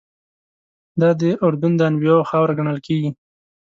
دادی اردن د انبیاوو خاوره ګڼل کېږي.